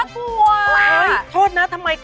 คุณสวัสดี